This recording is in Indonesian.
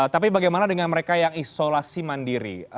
tapi bagaimana dengan mereka yang isolasi mandiri